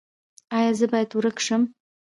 ایا زه باید ورک شم؟